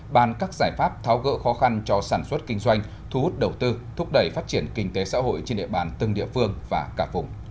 bàn các giải pháp tháo gỡ khó khăn cho sản xuất kinh doanh thu hút đầu tư thúc đẩy phát triển kinh tế xã hội trên địa bàn từng địa phương và cả vùng